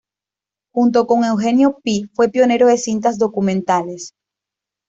Junto con Eugenio Py, fue pionero de cintas documentales.